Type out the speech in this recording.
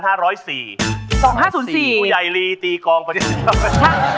ผู้ใหญ่ลีตีกองประชาชน